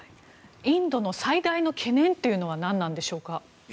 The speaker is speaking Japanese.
インドの最大の懸念は何なんでしょうか。